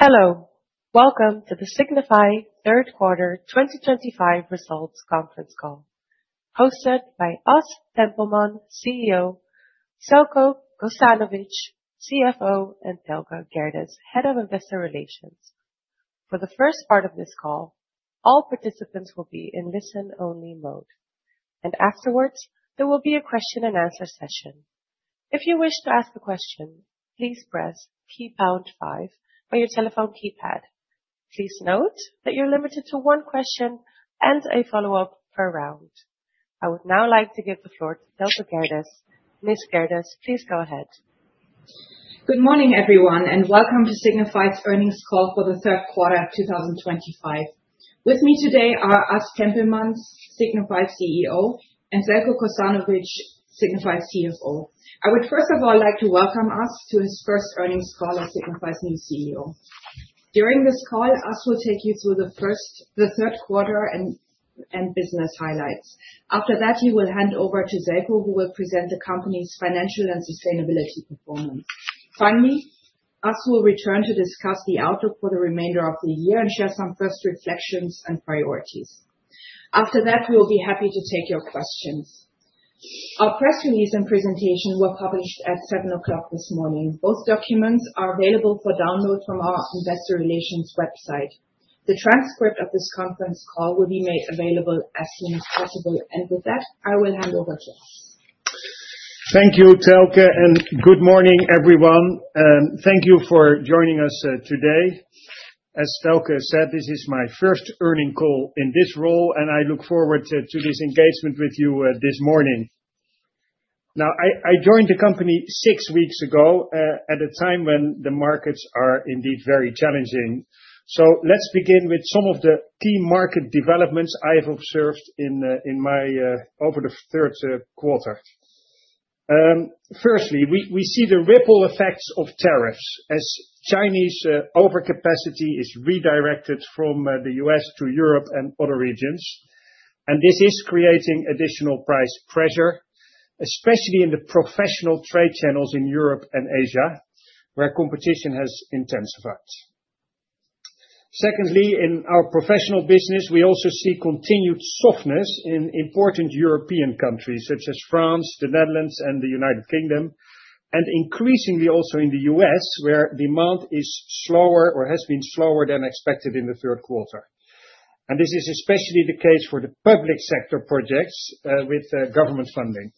Hello, welcome to the Signify Q3 2025 results conference call, hosted by us, CEO Željko Kosanović, CFO, and Thelke Gerdes, Head of Investor Relations. For the first part of this call, all participants will be in listen-only mode, and afterwards, there will be a question-and-answer session. If you wish to ask a question, please press key pound five on your telephone keypad. Please note that you're limited to one question and a follow-up per round. I would now like to give the floor to Thelke Gerdes. Ms. Gerdes, please go ahead. Good morning, everyone, and welcome to Signify's earnings call for Q3 2025. With me today are Ashton, Signify's CEO, and Željko Kosanović, Signify CFO. I would first of all like to welcome Ashton to his first earnings call as Signify's new CEO. During this call, Ashton will take you through the Q3 and business highlights. After that, he will hand over to Željko, who will present the company's financial and sustainability performance. Finally, Ashton will return to discuss the outlook for the remainder of the year and share some first reflections and priorities. After that, we will be happy to take your questions. Our press release and presentation were published at 7:00 A.M. this morning. Both documents are available for download from our Investor Relations website. The transcript of this conference call will be made available as soon as possible. And with that, I will hand over to Ashton. Thank you, Thelke, and good morning, everyone. Thank you for joining us today. As Thelke said, this is my first earnings call in this role, and I look forward to this engagement with you this morning. Now, I joined the company six weeks ago at a time when the markets are indeed very challenging. So let's begin with some of the key market developments I've observed over the Q3. Firstly, we see the ripple effects of tariffs as Chinese overcapacity is redirected from the U.S. to Europe and other regions. And this is creating additional price pressure, especially in the professional trade channels in Europe and Asia, where competition has intensified. Secondly, in our professional business, we also see continued softness in important European countries such as France, the Netherlands, and the United Kingdom, and increasingly also in the U.S., where demand is slower or has been slower than expected in the Q3. And this is especially the case for the public sector projects with government funding.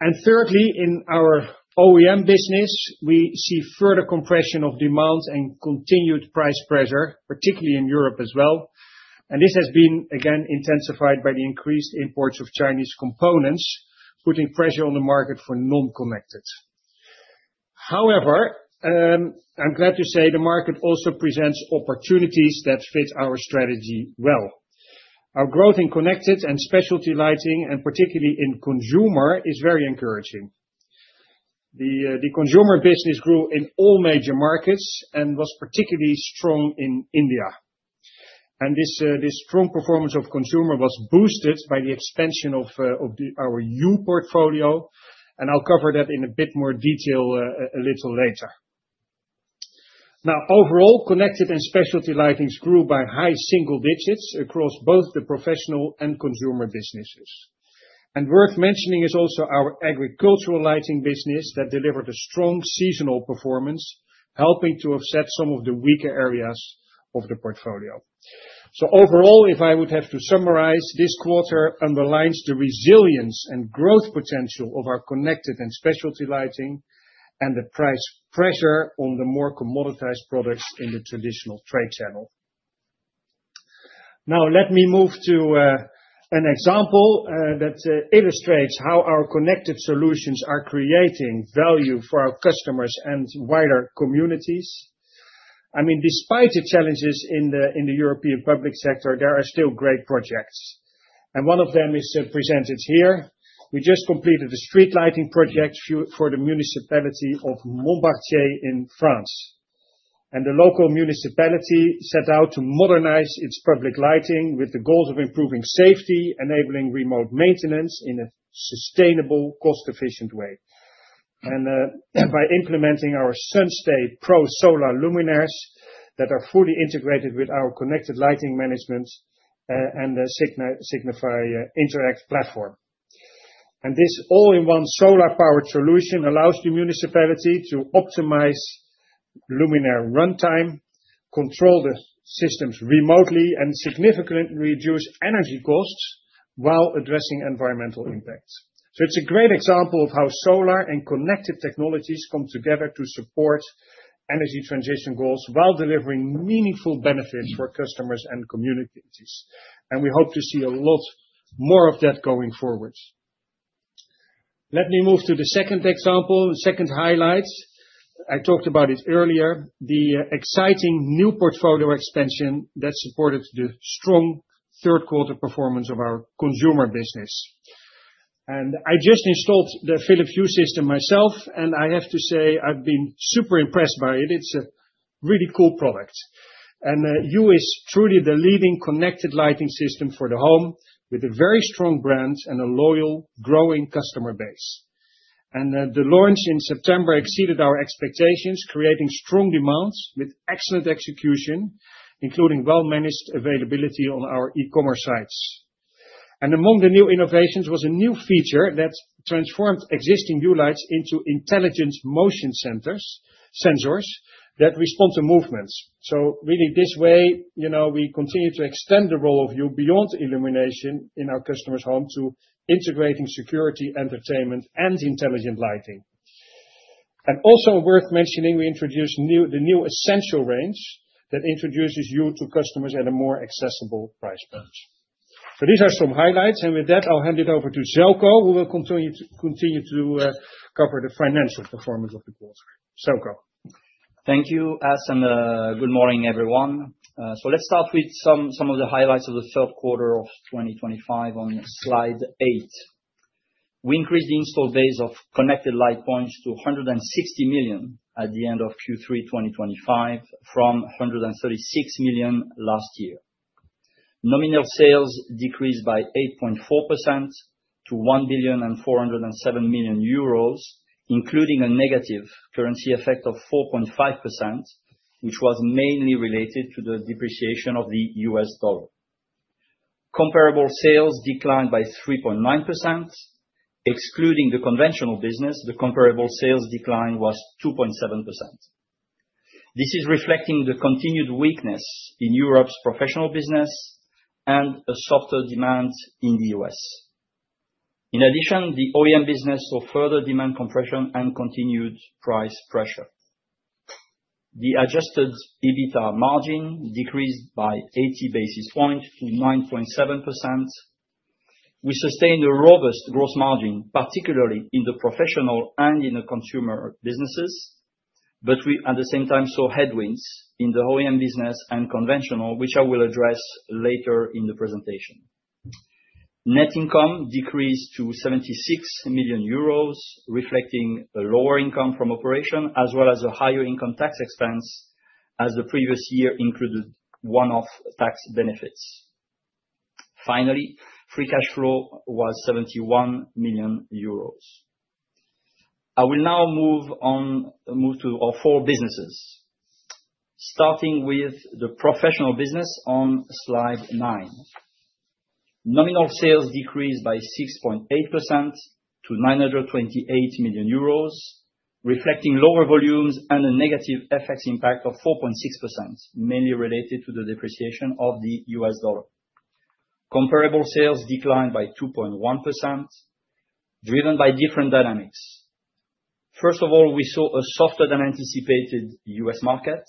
And thirdly, in our OEM business, we see further compression of demand and continued price pressure, particularly in Europe as well. And this has been, again, intensified by the increased imports of Chinese components, putting pressure on the market for non-connected. However, I'm glad to say the market also presents opportunities that fit our strategy well. Our growth in connected and specialty lighting, and particularly in consumer, is very encouraging. The consumer business grew in all major markets and was particularly strong in India. This strong performance of consumer was boosted by the expansion of our Hue portfolio, and I'll cover that in a bit more detail a little later. Now, overall, connected and specialty lighting grew by high single digits across both the professional and consumer businesses. Worth mentioning is also our agricultural lighting business that delivered a strong seasonal performance, helping to offset some of the weaker areas of the portfolio. Overall, if I would have to summarize, this quarter underlines the resilience and growth potential of our connected and specialty lighting and the price pressure on the more commoditized products in the traditional trade channel. Now, let me move to an example that illustrates how our connected solutions are creating value for our customers and wider communities. I mean, despite the challenges in the European public sector, there are still great projects. And one of them is presented here. We just completed a street lighting project for the municipality of Montbartier in France. And the local municipality set out to modernize its public lighting with the goals of improving safety, enabling remote maintenance in a sustainable, cost-efficient way, and by implementing our SunStay Pro solar luminaires that are fully integrated with our connected lighting management and the Signify Interact platform. And this all-in-one solar-powered solution allows the municipality to optimize luminaire runtime, control the systems remotely, and significantly reduce energy costs while addressing environmental impacts. So it's a great example of how solar and connected technologies come together to support energy transition goals while delivering meaningful benefits for customers and communities. And we hope to see a lot more of that going forward. Let me move to the second example, second highlight. I talked about it earlier, the exciting new portfolio expansion that supported the strong Q3 performance of our consumer business, and I just installed the Philips Hue system myself, and I have to say I've been super impressed by it. It's a really cool product, and Hue is truly the leading connected lighting system for the home with a very strong brand and a loyal, growing customer base, and the launch in September exceeded our expectations, creating strong demand with excellent execution, including well-managed availability on our e-commerce sites, and among the new innovations was a new feature that transformed existing Hue lights into intelligent motion sensors that respond to movements, so really, this way, you know, we continue to extend the role of Hue beyond illumination in our customers' homes to integrating security, entertainment, and intelligent lighting. And also worth mentioning, we introduced the new Essential range that introduces Hue to customers at a more accessible price range. So these are some highlights, and with that, I'll hand it over to Željko, who will continue to cover the financial performance of the quarter. Željko. Thank you, Ashton, and good morning, everyone. So let's start with some of the highlights of the Q3 of 2025 on slide 8. We increased the installed base of connected light points to 160 million at the end of Q3 2025 from 136 million last year. Nominal sales decreased by 8.4% to 1,407 million euros, including a negative currency effect of 4.5%, which was mainly related to the depreciation of the U.S. dollar. Comparable sales declined by 3.9%. Excluding the conventional business, the comparable sales decline was 2.7%. This is reflecting the continued weakness in Europe's professional business and a softer demand in the U.S. In addition, the OEM business saw further demand compression and continued price pressure. The Adjusted EBITDA margin decreased by 80 basis points to 9.7%. We sustained a robust gross margin, particularly in the professional and in the consumer businesses, but we, at the same time, saw headwinds in the OEM business and conventional, which I will address later in the presentation. Net income decreased to 76 million euros, reflecting a lower income from operations, as well as a higher income tax expense, as the previous year included one-off tax benefits. Finally, free cash flow was 71 million euros. I will now move to our four businesses, starting with the professional business on slide 9. Nominal sales decreased by 6.8% to 928 million euros, reflecting lower volumes and a negative FX impact of 4.6%, mainly related to the depreciation of the U.S. dollar. Comparable sales declined by 2.1%, driven by different dynamics. First of all, we saw a softer than anticipated U.S. market.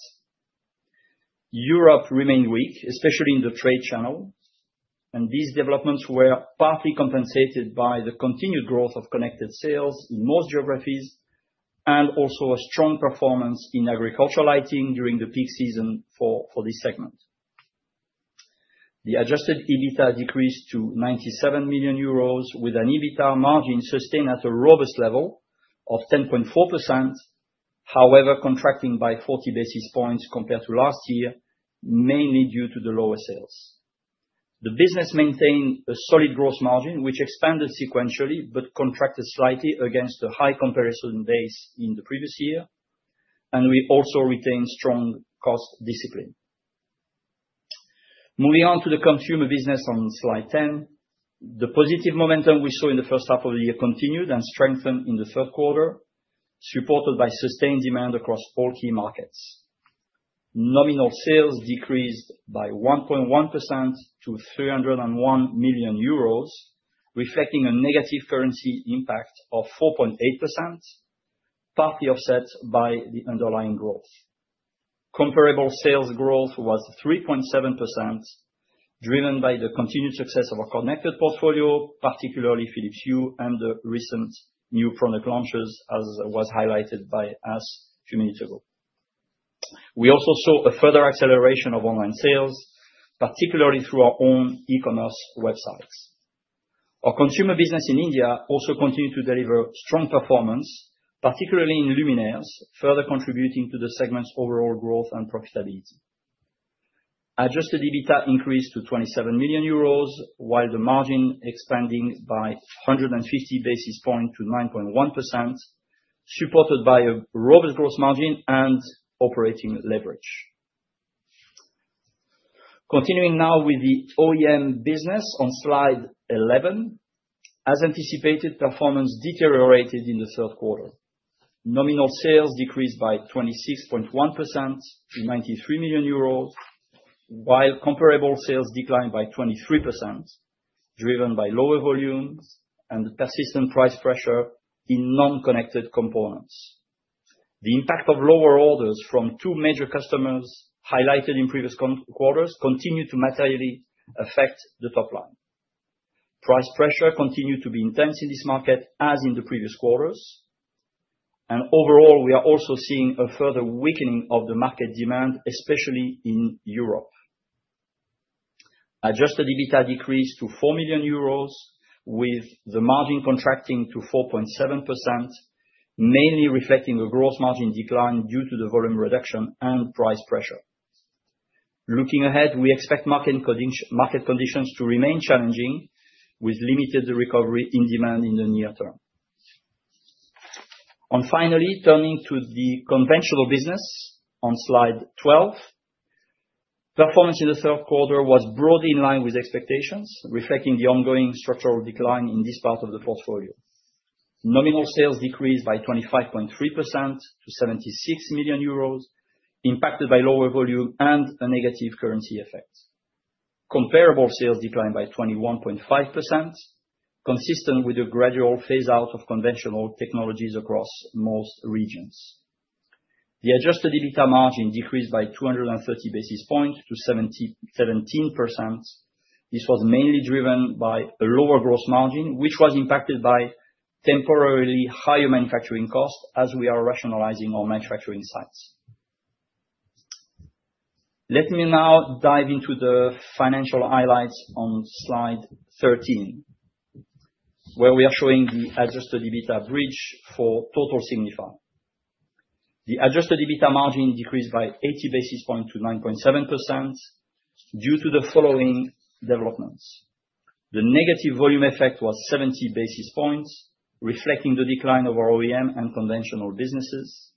Europe remained weak, especially in the trade channel. These developments were partly compensated by the continued growth of connected sales in most geographies and also a strong performance in agricultural lighting during the peak season for this segment. The Adjusted EBITDA decreased to 97 million euros, with an EBITDA margin sustained at a robust level of 10.4%, however, contracting by 40 basis points compared to last year, mainly due to the lower sales. The business maintained a solid gross margin, which expanded sequentially but contracted slightly against a high comparison base in the previous year. We also retained strong cost discipline. Moving on to the consumer business on slide 10, the positive momentum we saw in the first half of the year continued and strengthened in the Q3, supported by sustained demand across all key markets. Nominal sales decreased by 1.1% to 301 million euros, reflecting a negative currency impact of 4.8%, partly offset by the underlying growth. Comparable sales growth was 3.7%, driven by the continued success of our connected portfolio, particularly Philips Hue and the recent new product launches, as was highlighted by us a few minutes ago. We also saw a further acceleration of online sales, particularly through our own e-commerce websites. Our consumer business in India also continued to deliver strong performance, particularly in luminaires, further contributing to the segment's overall growth and profitability. Adjusted EBITDA increased to 27 million euros, while the margin expanded by 150 basis points to 9.1%, supported by a robust gross margin and operating leverage. Continuing now with the OEM business on slide 11, as anticipated, performance deteriorated in the Q3. Nominal sales decreased by 26.1% to 93 million euros, while comparable sales declined by 23%, driven by lower volumes and persistent price pressure in non-connected components. The impact of lower orders from two major customers highlighted in previous quarters continued to materially affect the top line. Price pressure continued to be intense in this market, as in the previous quarters, and overall, we are also seeing a further weakening of the market demand, especially in Europe. Adjusted EBITDA decreased to 4 million euros, with the margin contracting to 4.7%, mainly reflecting a gross margin decline due to the volume reduction and price pressure. Looking ahead, we expect market conditions to remain challenging, with limited recovery in demand in the near term. And finally, turning to the conventional business on slide 12, performance in the Q3 was broadly in line with expectations, reflecting the ongoing structural decline in this part of the portfolio. Nominal sales decreased by 25.3% to 76 million euros, impacted by lower volume and a negative currency effect. Comparable sales declined by 21.5%, consistent with a gradual phase-out of conventional technologies across most regions. The Adjusted EBITDA margin decreased by 230 basis points to 17%. This was mainly driven by a lower gross margin, which was impacted by temporarily higher manufacturing costs as we are rationalizing our manufacturing sites. Let me now dive into the financial highlights on slide 13, where we are showing the Adjusted EBITDA bridge for total Signify. The Adjusted EBITDA margin decreased by 80 basis points to 9.7% due to the following developments. The negative volume effect was 70 basis points, reflecting the decline of our OEM and conventional businesses.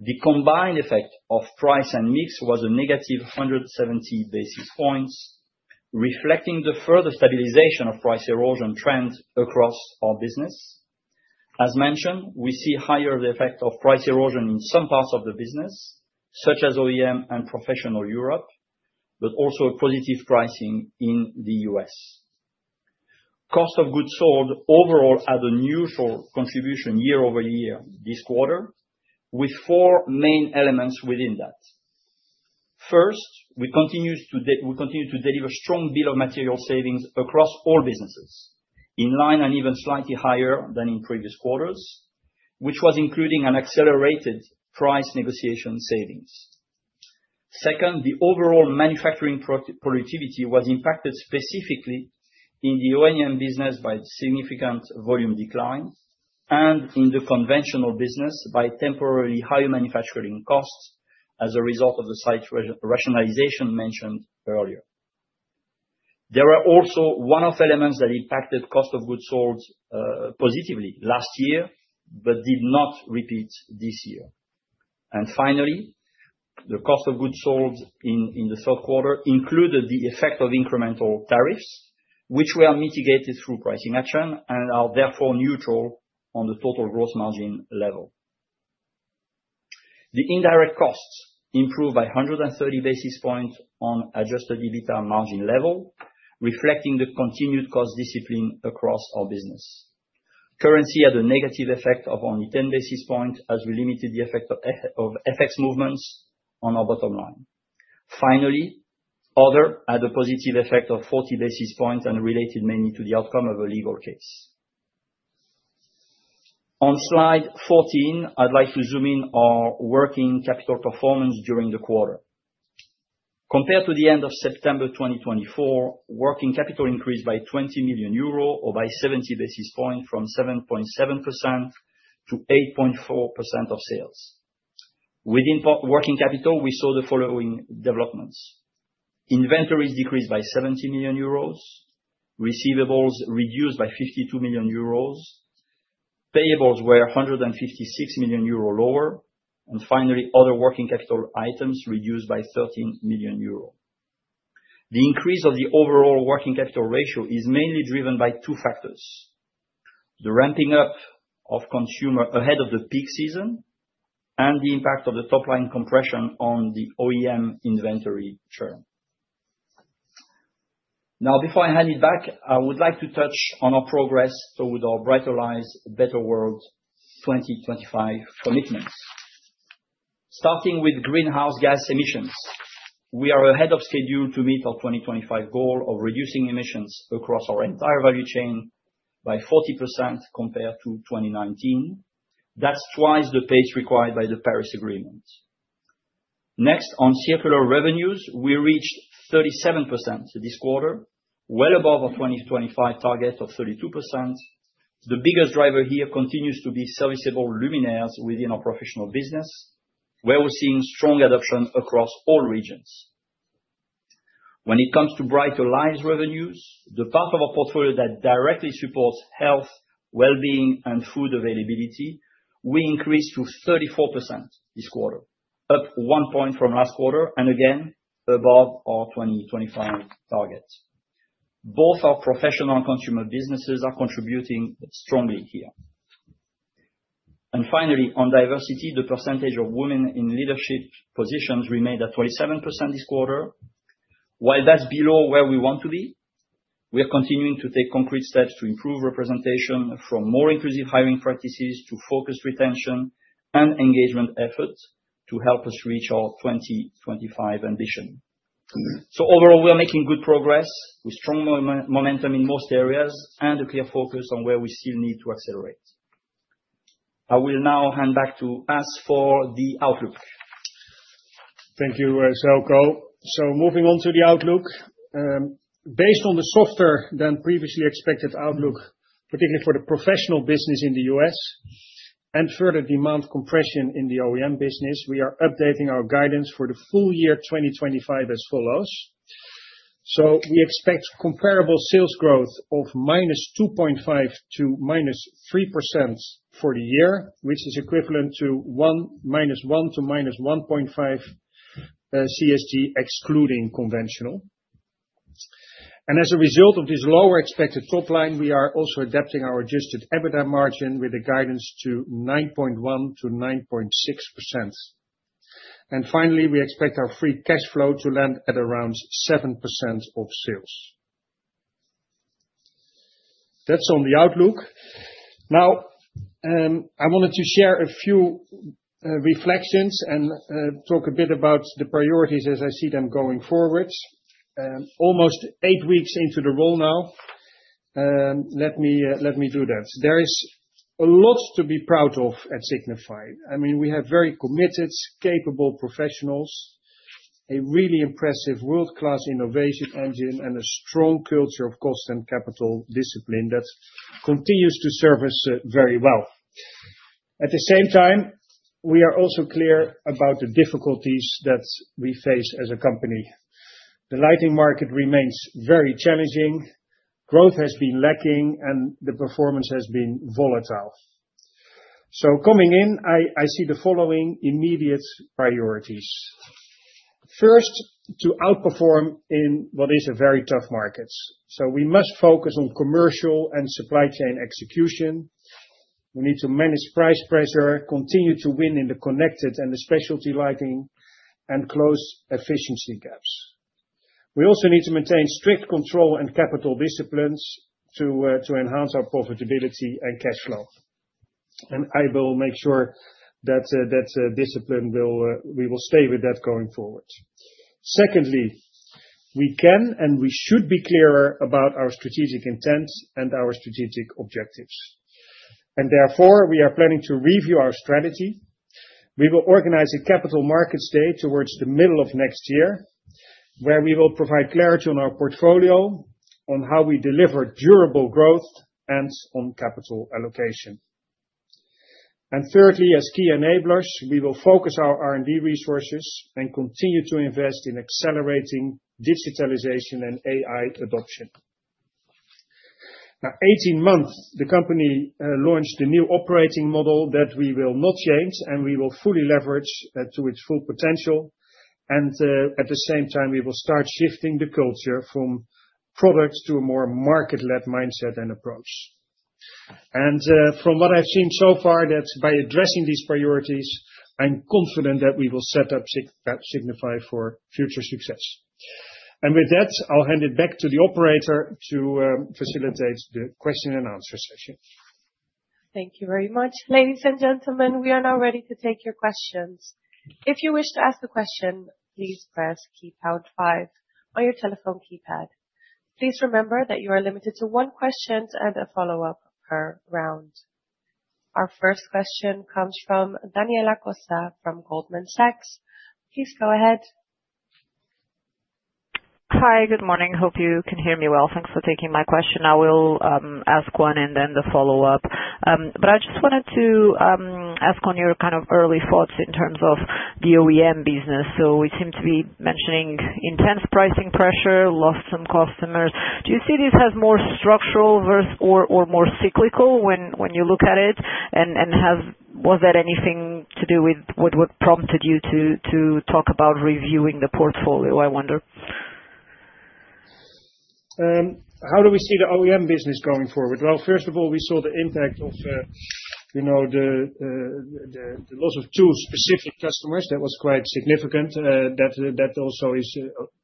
The combined effect of price and mix was a negative 170 basis points, reflecting the further stabilization of price erosion trend across our business. As mentioned, we see higher effect of price erosion in some parts of the business, such as OEM and professional Europe, but also positive pricing in the U.S. Cost of goods sold overall had a neutral contribution year over year this quarter, with four main elements within that. First, we continue to deliver strong bill of materials savings across all businesses, in line and even slightly higher than in previous quarters, which was including an accelerated price negotiation savings. Second, the overall manufacturing productivity was impacted specifically in the OEM business by significant volume decline and in the conventional business by temporarily higher manufacturing costs as a result of the site rationalization mentioned earlier. There are also one-off elements that impacted cost of goods sold positively last year but did not repeat this year, and finally, the cost of goods sold in the Q3 included the effect of incremental tariffs, which were mitigated through pricing action and are therefore neutral on the total gross margin level. The indirect costs improved by 130 basis points on Adjusted EBITDA margin level, reflecting the continued cost discipline across our business. Currency had a negative effect of only 10 basis points as we limited the effects of FX movements on our bottom line. Finally, Other had a positive effect of 40 basis points and related mainly to the outcome of a legal case. On slide 14, I'd like to zoom in on working capital performance during the quarter. Compared to the end of September 2024, working capital increased by 20 million euro or by 70 basis points from 7.7% to 8.4% of sales. Within working capital, we saw the following developments. Inventories decreased by 70 million euros, receivables reduced by 52 million euros, payables were 156 million euros lower, and finally, other working capital items reduced by 13 million euros. The increase of the overall working capital ratio is mainly driven by two factors: the ramping up of consumer ahead of the peak season and the impact of the top line compression on the OEM inventory churn. Now, before I hand it back, I would like to touch on our progress toward our Brighter Lives, Better World 2025 commitments. Starting with greenhouse gas emissions, we are ahead of schedule to meet our 2025 goal of reducing emissions across our entire value chain by 40% compared to 2019. That's twice the pace required by the Paris Agreement. Next, on circular revenues, we reached 37% this quarter, well above our 2025 target of 32%. The biggest driver here continues to be serviceable luminaires within our professional business, where we're seeing strong adoption across all regions. When it comes to Brighter Lives revenues, the part of our portfolio that directly supports health, well-being, and food availability, we increased to 34% this quarter, up one point from last quarter and again above our 2025 target. Both our professional and consumer businesses are contributing strongly here. And finally, on diversity, the percentage of women in leadership positions remained at 27% this quarter, while that's below where we want to be. We are continuing to take concrete steps to improve representation from more inclusive hiring practices to focused retention and engagement efforts to help us reach our 2025 ambition, so overall, we are making good progress with strong momentum in most areas and a clear focus on where we still need to accelerate. I will now hand back to Ashton for the outlook. Thank you, Željko, so moving on to the outlook, based on the softer than previously expected outlook, particularly for the professional business in the U.S. and further demand compression in the OEM business, we are updating our guidance for the full year 2025 as follows, so we expect comparable sales growth of -2.5% to -3% for the year, which is equivalent to -1 to -1.5 CSG excluding conventional. And as a result of this lower expected top line, we are also adapting our Adjusted EBITDA margin with the guidance to 9.1%-9.6%. And finally, we expect our Free Cash Flow to land at around 7% of sales. That's on the outlook. Now, I wanted to share a few reflections and talk a bit about the priorities as I see them going forward. Almost eight weeks into the role now. Let me do that. There is a lot to be proud of at Signify. I mean, we have very committed, capable professionals, a really impressive world-class innovation engine, and a strong culture of cost and capital discipline that continues to serve us very well. At the same time, we are also clear about the difficulties that we face as a company. The lighting market remains very challenging. Growth has been lacking, and the performance has been volatile. So coming in, I see the following immediate priorities. First, to outperform in what is a very tough market, so we must focus on commercial and supply chain execution. We need to manage price pressure, continue to win in the connected and the specialty lighting, and close efficiency gaps. We also need to maintain strict control and capital disciplines to enhance our profitability and cash flow, and I will make sure that discipline we will stay with that going forward. Secondly, we can and we should be clearer about our strategic intent and our strategic objectives, and therefore, we are planning to review our strategy. We will organize a capital markets day towards the middle of next year, where we will provide clarity on our portfolio, on how we deliver durable growth, and on capital allocation. And thirdly, as key enablers, we will focus our R&D resources and continue to invest in accelerating digitalization and AI adoption. Now, 18 months, the company launched a new operating model that we will not change, and we will fully leverage to its full potential. And at the same time, we will start shifting the culture from product to a more market-led mindset and approach. And from what I've seen so far, that by addressing these priorities, I'm confident that we will set up Signify for future success. And with that, I'll hand it back to the operator to facilitate the question and answer session. Thank you very much. Ladies and gentlemen, we are now ready to take your questions. If you wish to ask a question, please press keypad five on your telephone keypad. Please remember that you are limited to one question and a follow-up per round. Our first question comes from Daniela Costa from Goldman Sachs. Please go ahead. Hi, good morning. Hope you can hear me well. Thanks for taking my question. I will ask one and then the follow-up. But I just wanted to ask on your kind of early thoughts in terms of the OEM business. So we seem to be mentioning intense pricing pressure, lost some customers. Do you see this as more structural or more cyclical when you look at it? And was that anything to do with what prompted you to talk about reviewing the portfolio, I wonder? How do we see the OEM business going forward? Well, first of all, we saw the impact of the loss of two specific customers. That was quite significant. That also is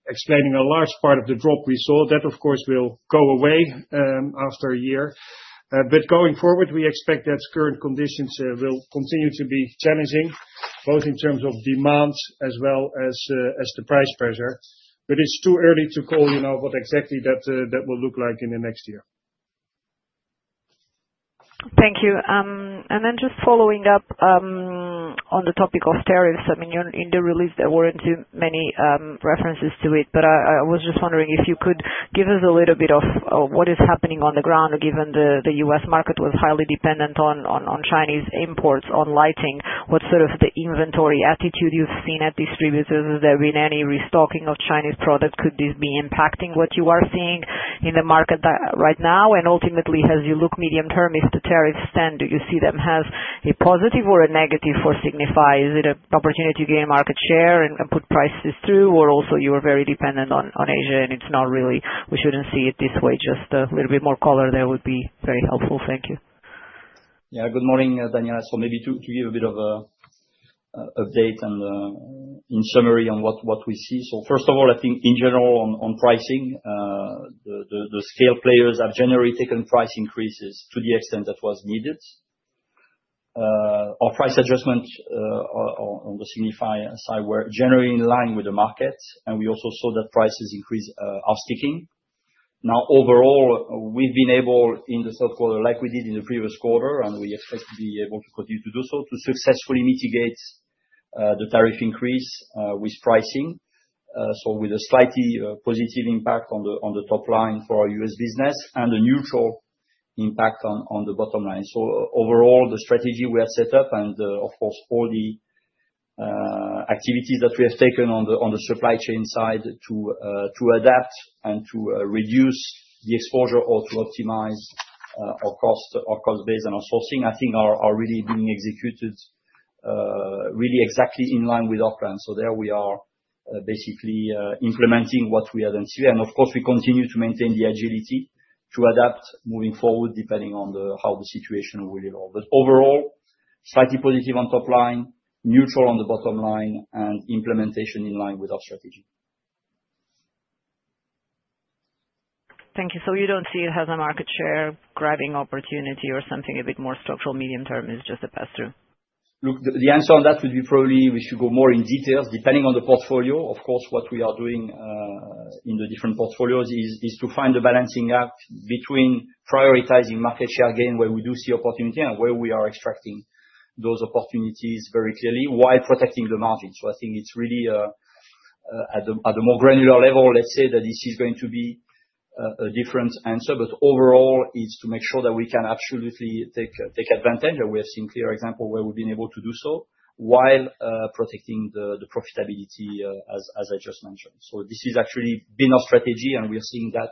explaining a large part of the drop we saw. That, of course, will go away after a year. But going forward, we expect that current conditions will continue to be challenging, both in terms of demand as well as the price pressure. But it's too early to call what exactly that will look like in the next year. Thank you. And then just following up on the topic of tariffs, I mean, in the release, there weren't many references to it. But I was just wondering if you could give us a little bit of what is happening on the ground, given the U.S. market was highly dependent on Chinese imports on lighting. What sort of the inventory attitude you've seen at distributors? Has there been any restocking of Chinese product? Could this be impacting what you are seeing in the market right now? And ultimately, as you look medium term, if the tariffs stand, do you see them as a positive or a negative for Signify? Is it an opportunity to gain market share and put prices through? Or also, you are very dependent on Asia, and it's not really. We shouldn't see it this way. Just a little bit more color there would be very helpful. Thank you. Yeah, good morning, Daniela, so maybe to give a bit of an update and in summary on what we see, so first of all, I think in general on pricing, the scale players have generally taken price increases to the extent that was needed. Our price adjustments on the Signify side were generally in line with the market, and we also saw that price increases are sticking. Now, overall, we've been able in the Q3, like we did in the previous quarter, and we expect to be able to continue to do so to successfully mitigate the tariff increase with pricing. So with a slightly positive impact on the top line for our U.S. business and a neutral impact on the bottom line. So overall, the strategy we have set up and, of course, all the activities that we have taken on the supply chain side to adapt and to reduce the exposure or to optimize our cost base and our sourcing, I think are really being executed really exactly in line with our plan. So there we are basically implementing what we have been seeing. And of course, we continue to maintain the agility to adapt moving forward depending on how the situation will evolve. But overall, slightly positive on top line, neutral on the bottom line, and implementation in line with our strategy. Thank you. So you don't see it as a market share-grabbing opportunity, or something a bit more structural medium-term is just a pass-through? Look, the answer on that would be probably we should go more in detail. Depending on the portfolio, of course, what we are doing in the different portfolios is to find the balancing act between prioritizing market share gain where we do see opportunity and where we are extracting those opportunities very clearly while protecting the margin. So I think it's really at a more granular level, let's say that this is going to be a different answer. But overall, it's to make sure that we can absolutely take advantage. We have seen clear examples where we've been able to do so while protecting the profitability, as I just mentioned. So this has actually been our strategy, and we're seeing that,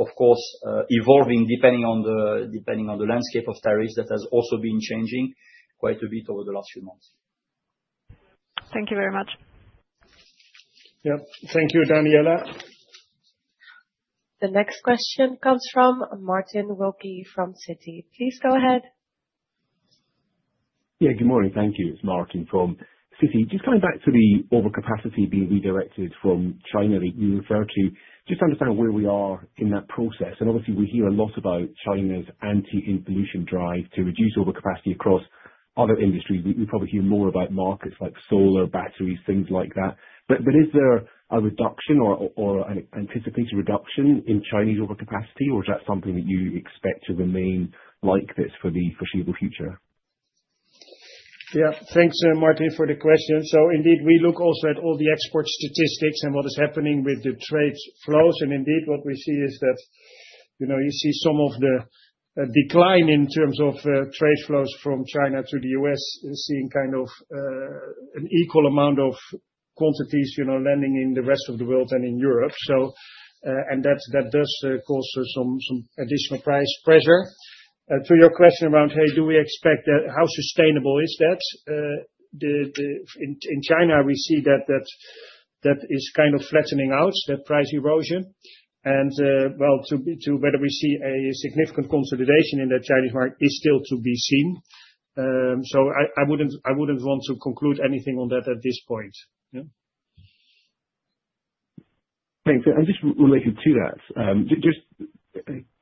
of course, evolving depending on the landscape of tariffs that has also been changing quite a bit over the last few months. Thank you very much. Yep. Thank you, Daniela. The next question comes from Martin Wilkie from Citi. Please go ahead. Yeah, good morning. Thank you, Martin, from Citi. Just coming back to the overcapacity being redirected from China that you referred to, just to understand where we are in that process. And obviously, we hear a lot about China's anti-involution drive to reduce overcapacity across other industries. We probably hear more about markets like solar, batteries, things like that. But is there a reduction or an anticipated reduction in Chinese overcapacity, or is that something that you expect to remain like this for the foreseeable future? Yeah, thanks, Martin, for the question. So indeed, we look also at all the export statistics and what is happening with the trade flows. And indeed, what we see is that you see some of the decline in terms of trade flows from China to the U.S., seeing kind of an equal amount of quantities landing in the rest of the world and in Europe. And that does cause some additional price pressure. To your question around, hey, do we expect that? How sustainable is that? In China, we see that that is kind of flattening out, that price erosion. And, well, to whether we see a significant consolidation in the Chinese market is still to be seen. So I wouldn't want to conclude anything on that at this point. Thank you. And just related to that, just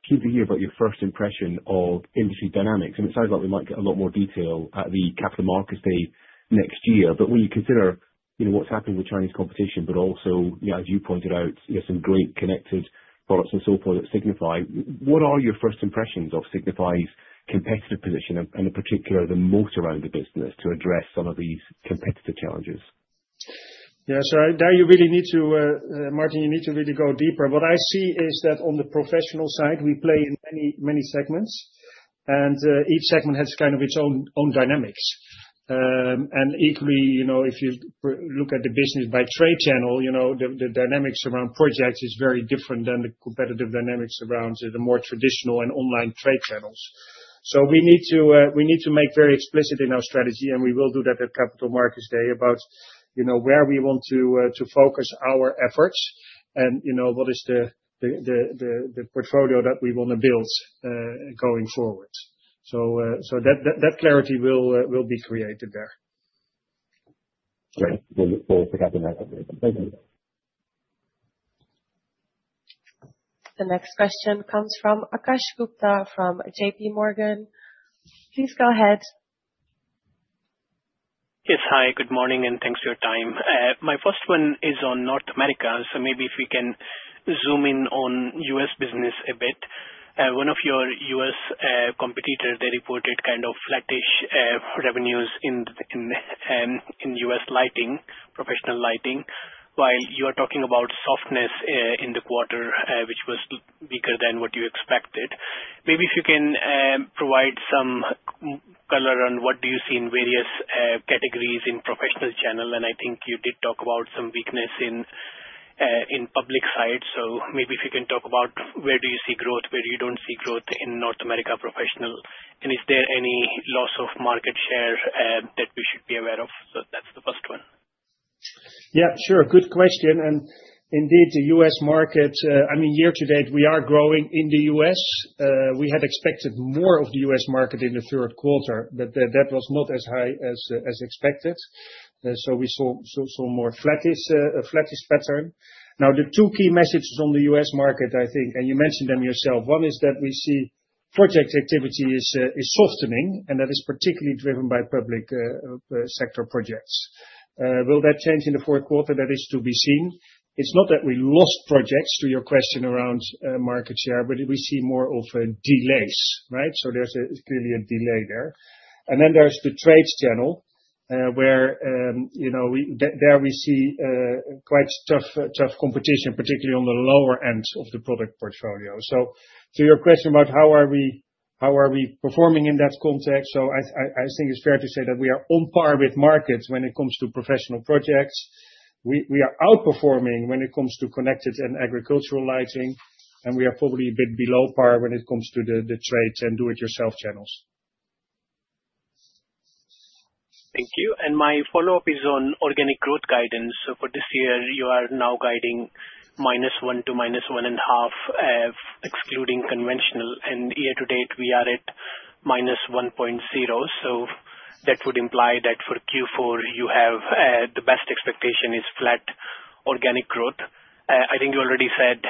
keen to hear about your first impression of industry dynamics. And it sounds like we might get a lot more detail at the Capital Markets Day next year. But when you consider what's happened with Chinese competition, but also, as you pointed out, some great connected products and so forth at Signify, what are your first impressions of Signify's competitive position, and in particular, the moat around the business to address some of these competitive challenges? Yeah, so now you really need to, Martin, you need to really go deeper. What I see is that on the professional side, we play in many segments, and each segment has kind of its own dynamics, and equally, if you look at the business by trade channel, the dynamics around projects is very different than the competitive dynamics around the more traditional and online trade channels. So we need to make very explicit in our strategy, and we will do that at Capital Markets Day about where we want to focus our efforts and what is the portfolio that we want to build going forward. So that clarity will be created there. Thank you. The next question comes from Akash Gupta from J.P. Morgan. Please go ahead. Yes, hi, good morning, and thanks for your time. My first one is on North America. So maybe if we can zoom in on U.S. business a bit. One of your U.S. competitors, they reported kind of flattish revenues in U.S. lighting, professional lighting, while you are talking about softness in the quarter, which was weaker than what you expected. Maybe if you can provide some color on what do you see in various categories in professional channel? And I think you did talk about some weakness in public side. So maybe if you can talk about where do you see growth, where you don't see growth in North America professional. And is there any loss of market share that we should be aware of? So that's the first one. Yeah, sure. Good question. And indeed, the U.S. market, I mean, year to date, we are growing in the U.S. We had expected more of the U.S. market in the Q3, but that was not as high as expected. So we saw more flattish pattern. Now, the two key messages on the U.S. market, I think, and you mentioned them yourself. One is that we see project activity is softening, and that is particularly driven by public sector projects. Will that change in the Q4? That is to be seen. It's not that we lost projects to your question around market share, but we see more of delays, right? So there's clearly a delay there. And then there's the trade channel where we see quite tough competition, particularly on the lower end of the product portfolio. So to your question about how are we performing in that context, so I think it's fair to say that we are on par with markets when it comes to professional projects. We are outperforming when it comes to connected and agricultural lighting, and we are probably a bit below par when it comes to the trade and do-it-yourself channels. Thank you. And my follow-up is on organic growth guidance. So for this year, you are now guiding -1% to -1.5%, excluding conventional. And year to date, we are at -1.0%. So that would imply that for Q4, the best expectation is flat organic growth. I think you already said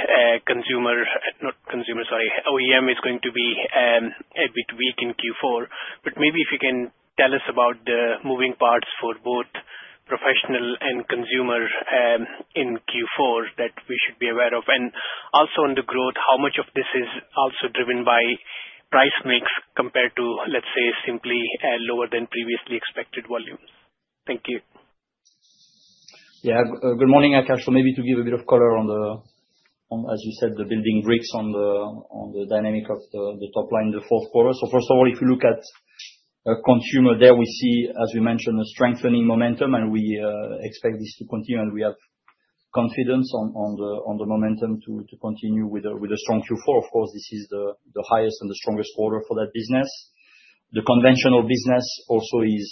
consumer, not consumer, sorry, OEM is going to be a bit weak in Q4. But maybe if you can tell us about the moving parts for both professional and consumer in Q4 that we should be aware of. And also on the growth, how much of this is also driven by price mix compared to, let's say, simply lower than previously expected volumes? Thank you. Yeah, good morning, Akash. So maybe to give a bit of color on the, as you said, the building bricks on the dynamic of the top line in the Q4. So first of all, if you look at consumer, there we see, as we mentioned, a strengthening momentum, and we expect this to continue. And we have confidence on the momentum to continue with a strong Q4. Of course, this is the highest and the strongest quarter for that business. The conventional business also is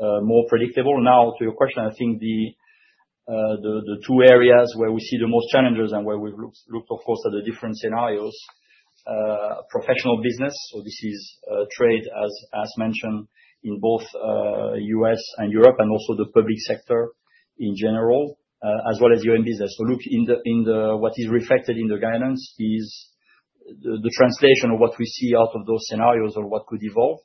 more predictable. Now, to your question, I think the two areas where we see the most challenges and where we've looked, of course, at the different scenarios: professional business, so this is trade, as mentioned, in both U.S. and Europe, and also the public sector in general, as well as OEM business. So look, what is reflected in the guidance is the translation of what we see out of those scenarios or what could evolve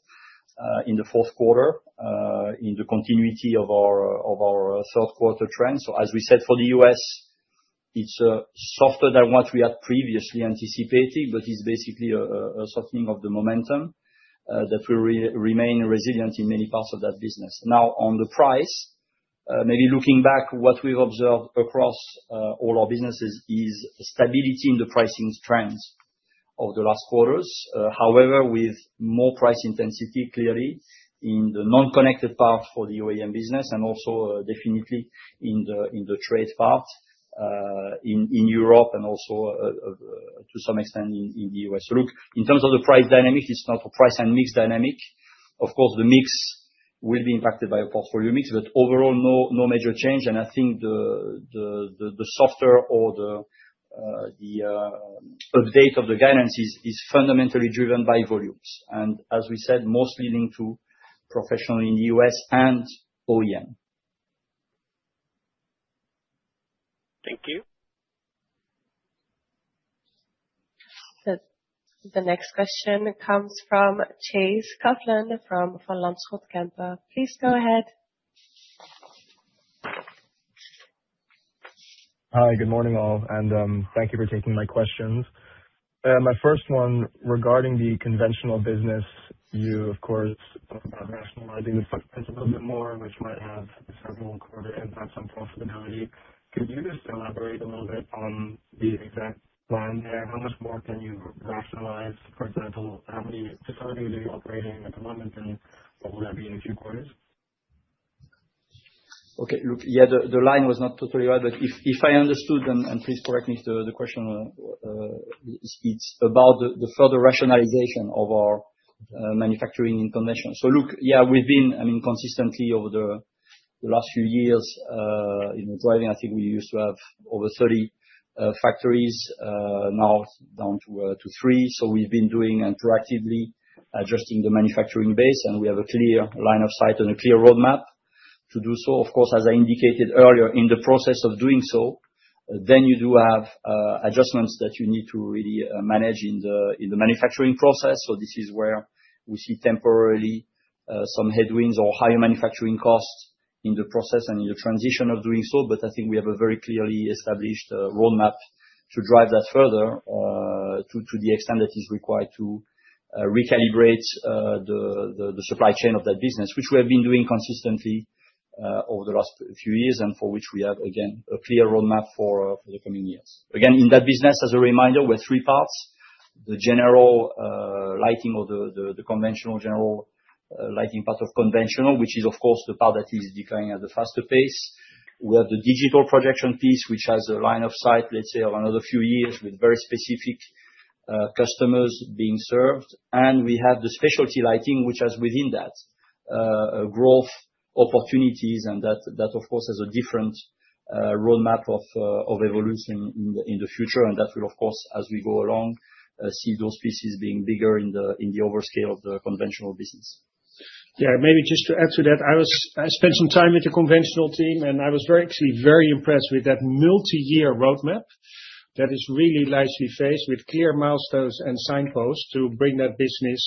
in the Q4 in the continuity of our Q3 trends. So as we said, for the U.S., it's softer than what we had previously anticipated, but it's basically a softening of the momentum that will remain resilient in many parts of that business. Now, on the price, maybe looking back, what we've observed across all our businesses is stability in the pricing trends over the last quarters, however, with more price intensity clearly in the non-connected part for the OEM business and also definitely in the trade part in Europe and also to some extent in the U.S. So look, in terms of the price dynamic, it's not a price and mix dynamic. Of course, the mix will be impacted by a portfolio mix, but overall, no major change. And I think the softer or the update of the guidance is fundamentally driven by volumes. And as we said, mostly linked to professional in the U.S. and OEM. Thank you. The next question comes from Chase Coughlan from Van Lanschot Kempen. Please go ahead. Hi, good morning all, and thank you for taking my questions. My first one regarding the conventional business, you, of course, are rationalizing the footprint a little bit more, which might have several quarter impacts on profitability. Could you just elaborate a little bit on the exact plan there? How much more can you rationalize? For example, how many facilities are you operating at the moment, and what will that be in a few quarters? Okay. Look, yeah, the line was not totally right, but if I understood, and please correct me if the question is about the further rationalization of our manufacturing in conventional. So look, yeah, we've been, I mean, consistently over the last few years driving. I think we used to have over 30 factories, now down to three. So we've been proactively adjusting the manufacturing base, and we have a clear line of sight and a clear roadmap to do so. Of course, as I indicated earlier, in the process of doing so, then you do have adjustments that you need to really manage in the manufacturing process. So this is where we see temporarily some headwinds or higher manufacturing costs in the process and in the transition of doing so. But I think we have a very clearly established roadmap to drive that further to the extent that is required to recalibrate the supply chain of that business, which we have been doing consistently over the last few years and for which we have, again, a clear roadmap for the coming years. Again, in that business, as a reminder, we have three parts: the general lighting or the conventional general lighting part of conventional, which is, of course, the part that is declining at the fastest pace. We have the digital projection piece, which has a line of sight, let's say, over another few years with very specific customers being served. And we have the specialty lighting, which has within that growth opportunities, and that, of course, has a different roadmap of evolution in the future. And that will, of course, as we go along, see those pieces being bigger in the overscale of the conventional business. Yeah, maybe just to add to that, I spent some time with the conventional team, and I was actually very impressed with that multi-year roadmap that is really nicely phased with clear milestones and signposts to bring that business,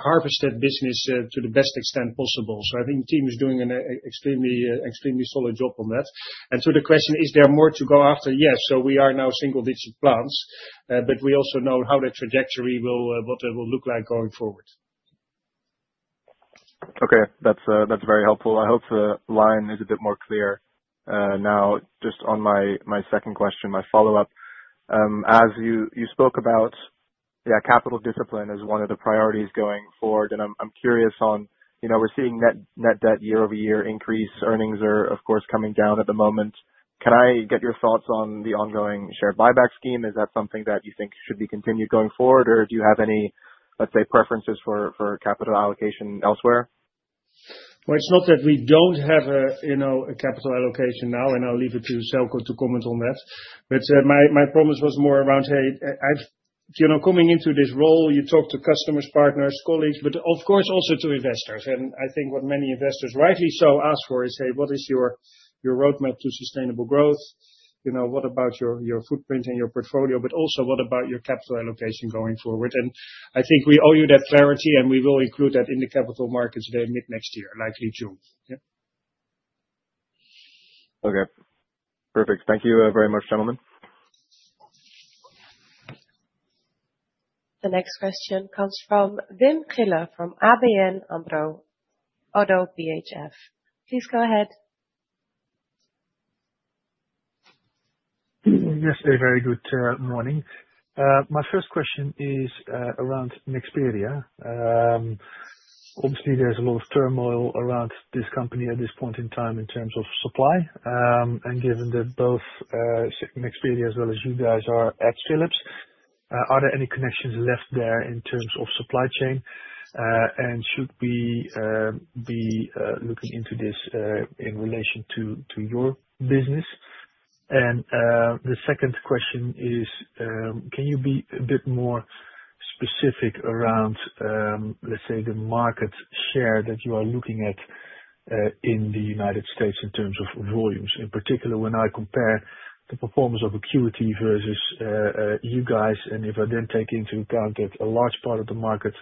harvest that business to the best extent possible. So I think the team is doing an extremely solid job on that. And to the question, is there more to go after? Yes. So we are now single-digit plans, but we also know how the trajectory will look like going forward. Okay. That's very helpful. I hope the line is a bit more clear. Now, just on my second question, my follow-up, as you spoke about, yeah, capital discipline is one of the priorities going forward. And I'm curious on we're seeing net debt year over year increase. Earnings are, of course, coming down at the moment. Can I get your thoughts on the ongoing share buyback scheme? Is that something that you think should be continued going forward, or do you have any, let's say, preferences for capital allocation elsewhere? Well, it's not that we don't have a capital allocation now, and I'll leave it to Željko to comment on that. But my promise was more around, hey, coming into this role, you talk to customers, partners, colleagues, but of course, also to investors. And I think what many investors, rightly so, ask for is, hey, what is your roadmap to sustainable growth? What about your footprint and your portfolio, but also what about your capital allocation going forward? And I think we owe you that clarity, and we will include that in the Capital Markets Day mid next year, likely June. Yeah. Okay. Perfect. Thank you very much, gentlemen. The next question comes from Wim Gille from ABN AMRO-ODDO BHF. Please go ahead. Yes, very good morning. My first question is around Nexperia. Obviously, there's a lot of turmoil around this company at this point in time in terms of supply. And given that both Nexperia as well as you guys are at Philips, are there any connections left there in terms of supply chain? And should we be looking into this in relation to your business? And the second question is, can you be a bit more specific around, let's say, the market share that you are looking at in the United States in terms of volumes, in particular when I compare the performance of Acuity versus you guys? And if I then take into account that a large part of the market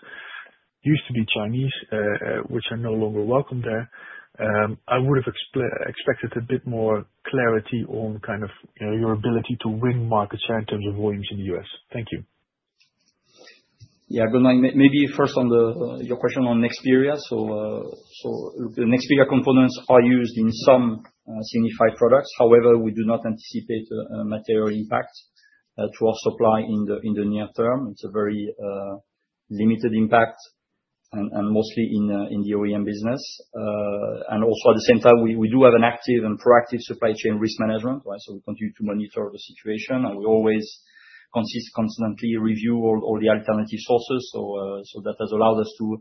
used to be Chinese, which are no longer welcome there, I would have expected a bit more clarity on kind of your ability to win market share in terms of volumes in the U.S. Thank you. Yeah, good morning. Maybe first on your question on Nexperia. So the Nexperia components are used in some Signify products. However, we do not anticipate a material impact to our supply in the near term. It's a very limited impact and mostly in the OEM business. And also, at the same time, we do have an active and proactive supply chain risk management, right? So we continue to monitor the situation, and we always consistently review all the alternative sources. So that has allowed us to,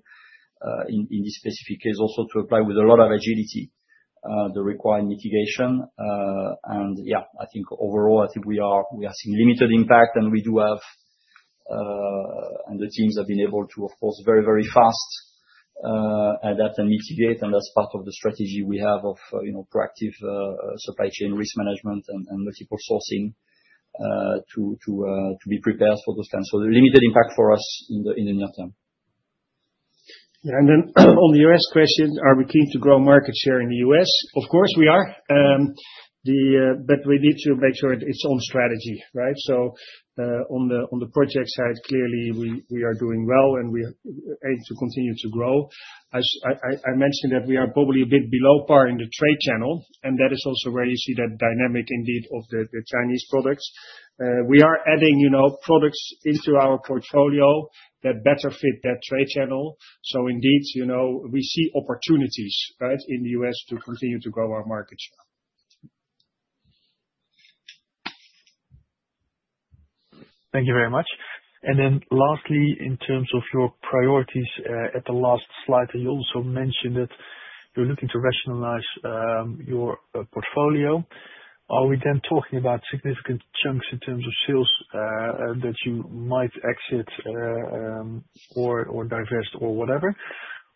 in this specific case, also to apply with a lot of agility the required mitigation. And yeah, I think overall, I think we are seeing limited impact, and we do have, and the teams have been able to, of course, very, very fast adapt and mitigate. And that's part of the strategy we have of proactive supply chain risk management and multiple sourcing to be prepared for those kinds of limited impact for us in the near term. Yeah. And then on the U.S. question, are we keen to grow market share in the U.S.? Of course, we are. But we need to make sure it's on strategy, right? So on the project side, clearly, we are doing well, and we aim to continue to grow. I mentioned that we are probably a bit below par in the trade channel, and that is also where you see that dynamic indeed of the Chinese products. We are adding products into our portfolio that better fit that trade channel. So indeed, we see opportunities, right, in the U.S. to continue to grow our market share. Thank you very much. And then lastly, in terms of your priorities at the last slide, you also mentioned that you're looking to rationalize your portfolio. Are we then talking about significant chunks in terms of sales that you might exit or divest or whatever,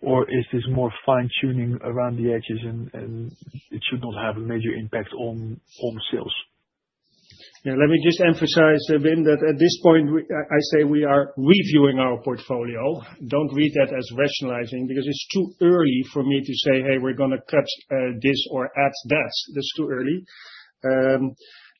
or is this more fine-tuning around the edges, and it should not have a major impact on sales? Yeah. Let me just emphasize, Wim, that at this point, I say we are reviewing our portfolio. Don't read that as rationalizing because it's too early for me to say, "Hey, we're going to cut this or add that." That's too early.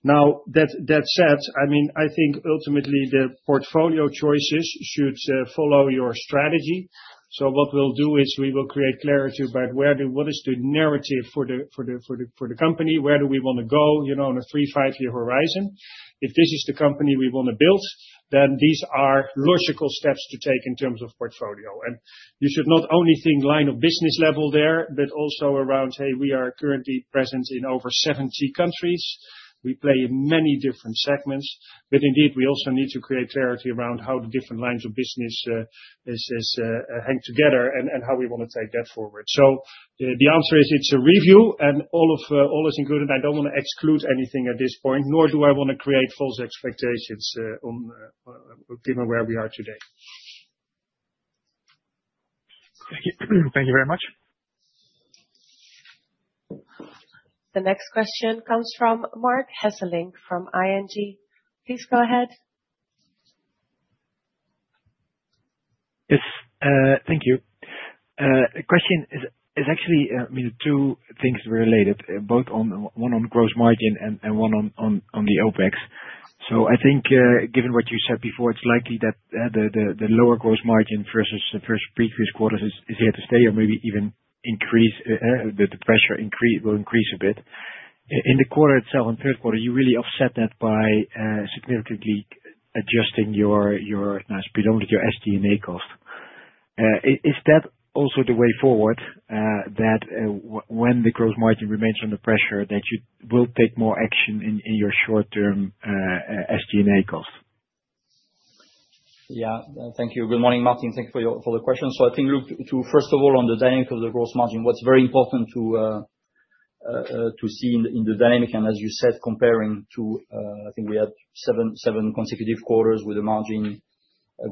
Now, that said, I mean, I think ultimately the portfolio choices should follow your strategy. So what we'll do is we will create clarity about what is the narrative for the company, where do we want to go on a three, five-year horizon. If this is the company we want to build, then these are logical steps to take in terms of portfolio. And you should not only think line of business level there, but also around, "Hey, we are currently present in over 70 countries. We play in many different segments." But indeed, we also need to create clarity around how the different lines of business hang together and how we want to take that forward. So the answer is it's a review, and all is included. I don't want to exclude anything at this point, nor do I want to create false expectations given where we are today. Thank you. Thank you very much. The next question comes from Marc Hesselink from ING. Please go ahead. Yes. Thank you. The question is actually, I mean, two things related, both one on gross margin and one on the OpEx. So I think given what you said before, it's likely that the lower gross margin versus the first previous quarters is here to stay or maybe even increase, the pressure will increase a bit. In the quarter itself, in Q3, you really offset that by significantly adjusting your SG&A cost. Is that also the way forward that when the gross margin remains under pressure, that you will take more action in your short-term SG&A cost? Yeah. Thank you. Good morning, Martin. Thank you for the question, so I think, first of all, on the dynamic of the gross margin, what's very important to see in the dynamic, and as you said, comparing to, I think we had seven consecutive quarters with a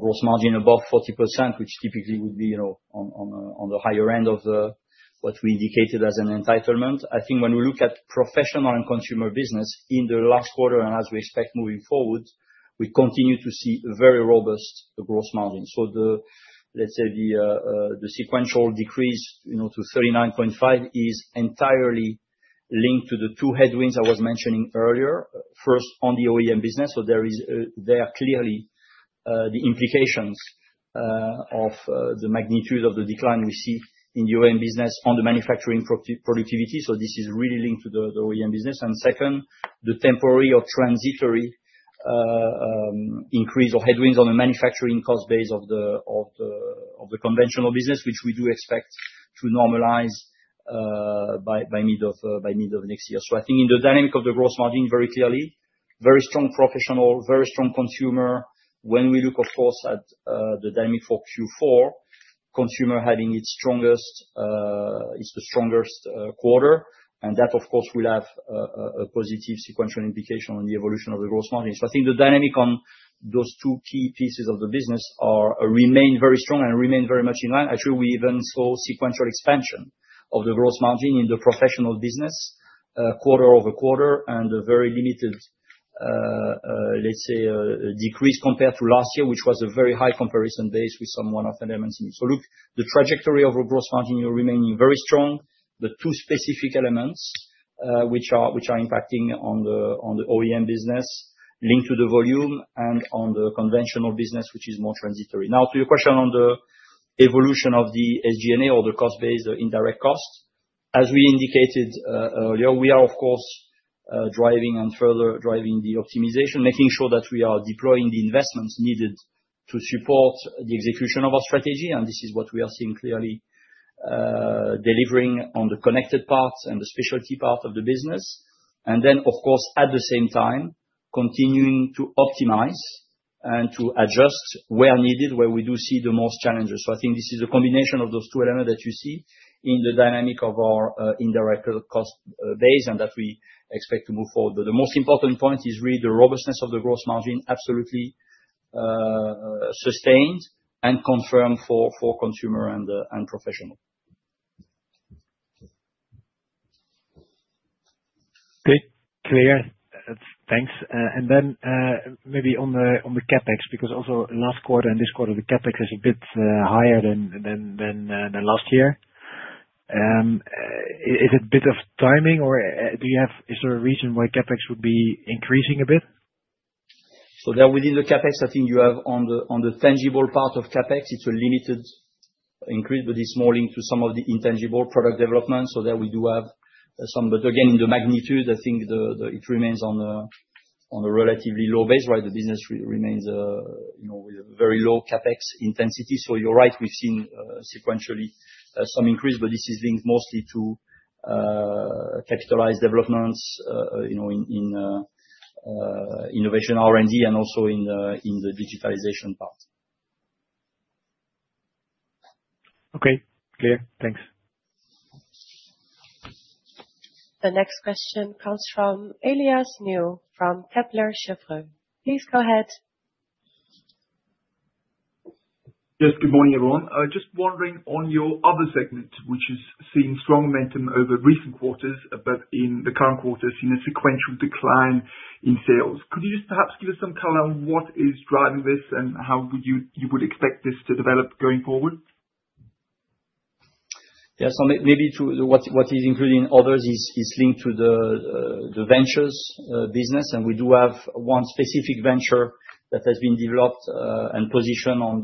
gross margin above 40%, which typically would be on the higher end of what we indicated as an entitlement. I think when we look at professional and consumer business in the last quarter and as we expect moving forward, we continue to see very robust gross margin, so let's say the sequential decrease to 39.5% is entirely linked to the two headwinds I was mentioning earlier, first on the OEM business, so there are clearly the implications of the magnitude of the decline we see in the OEM business on the manufacturing productivity, so this is really linked to the OEM business. And second, the temporary or transitory increase or headwinds on the manufacturing cost base of the conventional business, which we do expect to normalize by mid of next year. So I think in the dynamic of the gross margin, very clearly, very strong professional, very strong consumer. When we look, of course, at the dynamic for Q4, consumer having its strongest is the strongest quarter. And that, of course, will have a positive sequential implication on the evolution of the gross margin. So I think the dynamic on those two key pieces of the business remain very strong and remain very much in line. Actually, we even saw sequential expansion of the gross margin in the professional business quarter over quarter and a very limited, let's say, decrease compared to last year, which was a very high comparison base with some one-off elements in it. So look, the trajectory of a gross margin remaining very strong, but two specific elements which are impacting on the OEM business linked to the volume and on the conventional business, which is more transitory. Now, to your question on the evolution of the SG&A or the cost base, the indirect cost, as we indicated earlier, we are, of course, driving and further driving the optimization, making sure that we are deploying the investments needed to support the execution of our strategy. And this is what we are seeing clearly delivering on the connected parts and the specialty part of the business. And then, of course, at the same time, continuing to optimize and to adjust where needed, where we do see the most challenges. So I think this is a combination of those two elements that you see in the dynamic of our indirect cost base and that we expect to move forward. But the most important point is really the robustness of the gross margin, absolutely sustained and confirmed for consumer and professional. Okay. Clear. Thanks. And then maybe on the CapEx, because also last quarter and this quarter, the CapEx is a bit higher than last year. Is it a bit of timing, or is there a reason why CapEx would be increasing a bit? So within the CapEx, I think you have on the tangible part of CapEx, it's a limited increase, but it's more linked to some of the intangible product development. So there we do have some. But again, in the magnitude, I think it remains on a relatively low base, right? The business remains with a very low CapEx intensity. So you're right, we've seen sequentially some increase, but this is linked mostly to capitalized developments in innovation, R&D, and also in the digitalization part. Okay. Clear. Thanks. The next question comes from Elias New from Kepler Cheuvreux. Please go ahead. Yes. Good morning, everyone. Just wondering on your other segment, which is seeing strong momentum over recent quarters, but in the current quarter, seeing a sequential decline in sales. Could you just perhaps give us some color on what is driving this and how you would expect this to develop going forward? Yeah. So maybe what is included in others is linked to the ventures business. And we do have one specific venture that has been developed and positioned on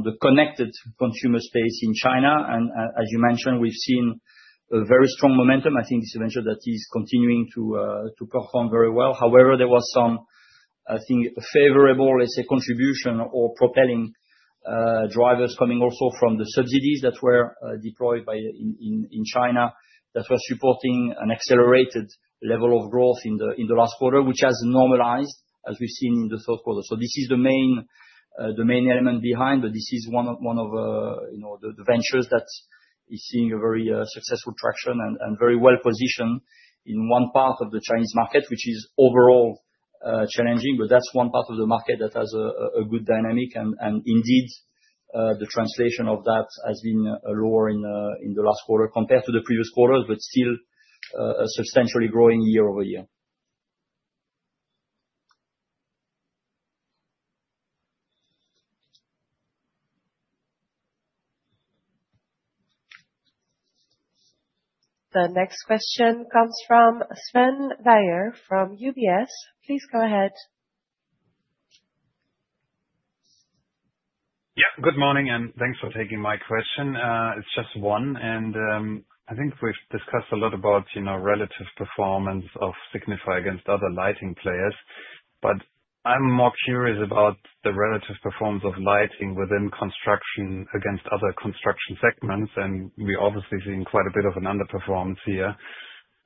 the Connected Consumer space in China. And as you mentioned, we've seen a very strong momentum. I think it's a venture that is continuing to perform very well. However, there was some, I think, favorable, let's say, contribution or propelling drivers coming also from the subsidies that were deployed in China that were supporting an accelerated level of growth in the last quarter, which has normalized, as we've seen in the Q3. So this is the main element behind, but this is one of the ventures that is seeing a very successful traction and very well positioned in one part of the Chinese market, which is overall challenging. But that's one part of the market that has a good dynamic, and indeed, the translation of that has been lower in the last quarter compared to the previous quarters, but still a substantially growing year over year. The next question comes from Sven Weier from UBS. Please go ahead. Yeah. Good morning, and thanks for taking my question. It's just one. And I think we've discussed a lot about relative performance of Signify against other lighting players. But I'm more curious about the relative performance of lighting within construction against other construction segments. And we're obviously seeing quite a bit of an underperformance here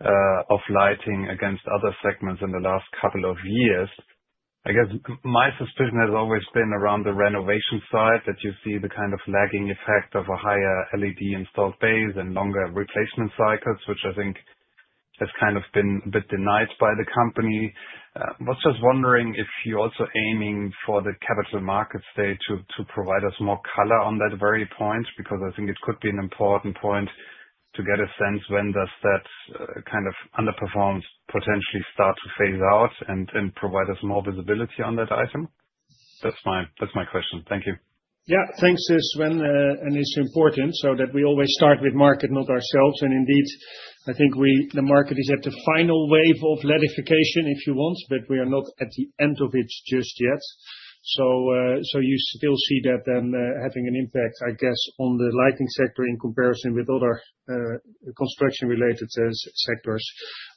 of lighting against other segments in the last couple of years. I guess my suspicion has always been around the renovation side that you see the kind of lagging effect of a higher LED installed base and longer replacement cycles, which I think has kind of been a bit denied by the company. I was just wondering if you're also aiming for the Capital Markets Day to provide us more color on that very point, because I think it could be an important point to get a sense when does that kind of underperformance potentially start to phase out and provide us more visibility on that item. That's my question. Thank you. Yeah. Thanks, Sven. And it's important that we always start with market, not ourselves. And indeed, I think the market is at the final wave of LEDification, if you want, but we are not at the end of it just yet. So you still see that then having an impact, I guess, on the lighting sector in comparison with other construction-related sectors.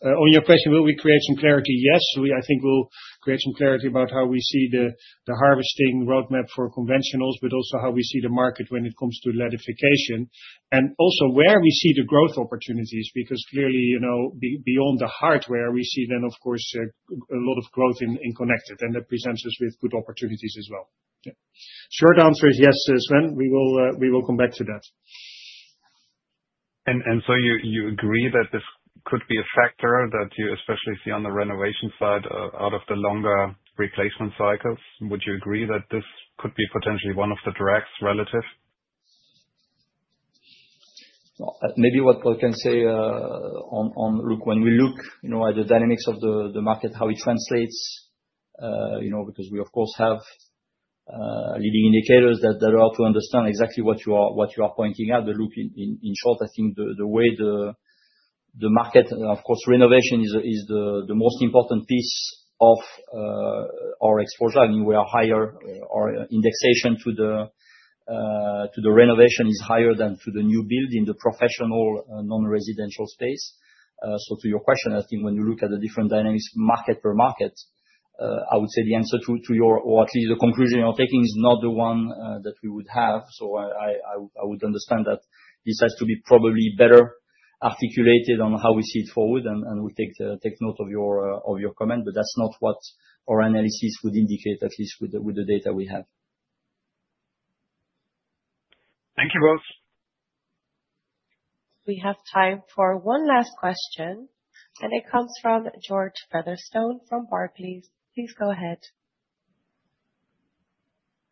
On your question, will we create some clarity? Yes. I think we'll create some clarity about how we see the harvesting roadmap for conventionals, but also how we see the market when it comes to LEDification, and also where we see the growth opportunities, because clearly, beyond the hardware, we see then, of course, a lot of growth in connected, and that presents us with good opportunities as well. Short answer is yes, Sven. We will come back to that. And so you agree that this could be a factor that you especially see on the renovation side out of the longer replacement cycles? Would you agree that this could be potentially one of the drags relative? Maybe what I can say is when we look at the dynamics of the market, how it translates, because we, of course, have leading indicators that are to understand exactly what you are pointing at. But look, in short, I think the way the market, of course, renovation is the most important piece of our exposure. I mean, we are higher, our indexation to the renovation is higher than to the new build in the professional non-residential space. So to your question, I think when you look at the different dynamics market per market, I would say the answer to your, or at least the conclusion you're taking is not the one that we would have. So I would understand that this has to be probably better articulated on how we see it forward, and we'll take note of your comment. But that's not what our analysis would indicate, at least with the data we have. Thank you both. We have time for one last question, and it comes from George Featherstone from Barclays. Please go ahead.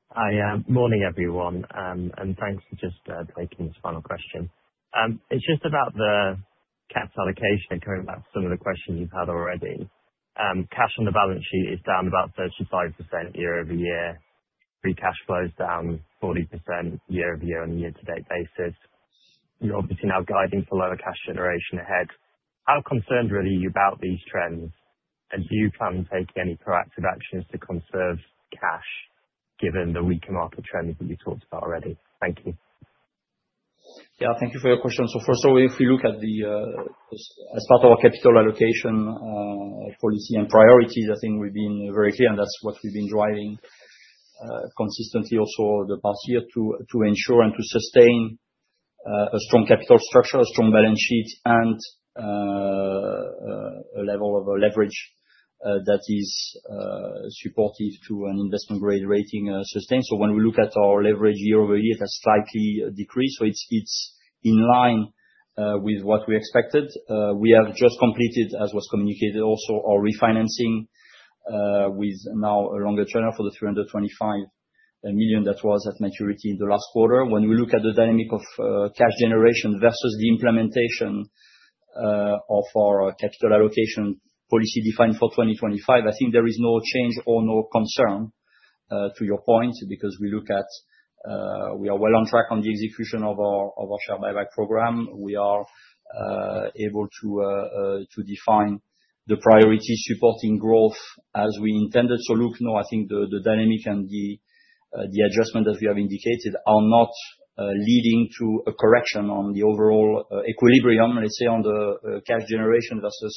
Hi. Good morning, everyone. And thanks for just taking this final question. It's just about the capital allocation and coming back to some of the questions you've had already. Cash on the balance sheet is down about 35% year over year. Free cash flow is down 40% year over year on a year-to-date basis. You're obviously now guiding for lower cash generation ahead. How concerned really are you about these trends, and do you plan on taking any proactive actions to conserve cash given the weaker market trends that you talked about already? Thank you. Yeah. Thank you for your question. So first of all, if we look at as part of our capital allocation policy and priorities, I think we've been very clear, and that's what we've been driving consistently also the past year to ensure and to sustain a strong capital structure, a strong balance sheet, and a level of leverage that is supportive to an investment-grade rating sustain. So when we look at our leverage year over year, it has slightly decreased. So it's in line with what we expected. We have just completed, as was communicated also, our refinancing with now a longer channel for the 325 million that was at maturity in the last quarter. When we look at the dynamic of cash generation versus the implementation of our capital allocation policy defined for 2025, I think there is no change or no concern to your point, because we are well on track on the execution of our share buyback program. We are able to define the priority supporting growth as we intended, so look, no, I think the dynamic and the adjustment that we have indicated are not leading to a correction on the overall equilibrium, let's say, on the cash generation versus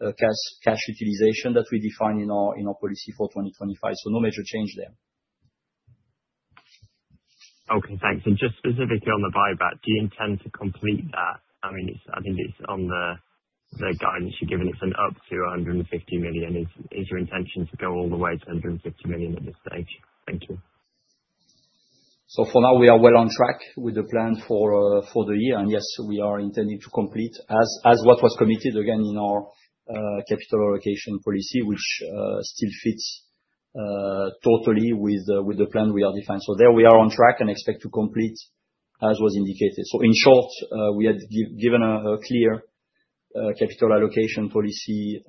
cash utilization that we define in our policy for 2025, so no major change there. Okay. Thanks, and just specifically on the buyback, do you intend to complete that? I mean, I think it's on the guidance you've given us and up to 150 million. Is your intention to go all the way to 150 million at this stage? Thank you. So for now, we are well on track with the plan for the year. And yes, we are intending to complete as what was committed again in our capital allocation policy, which still fits totally with the plan we have defined. So there we are on track and expect to complete as was indicated. So in short, we had given a clear capital allocation policy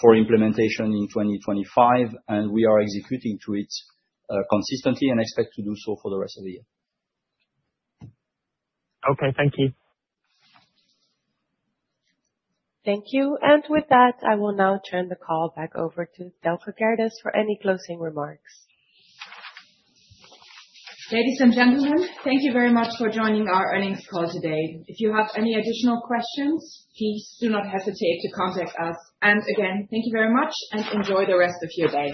for implementation in 2025, and we are executing to it consistently and expect to do so for the rest of the year. Okay. Thank you. Thank you. And with that, I will now turn the call back over to Thelke Gerdes for any closing remarks. Ladies and gentlemen, thank you very much for joining our earnings call today. If you have any additional questions, please do not hesitate to contact us. And again, thank you very much and enjoy the rest of your day.